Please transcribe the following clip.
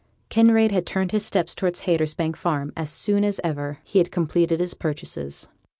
Kinraid had turned his steps towards Haytersbank Farm as soon as ever he had completed his purchases.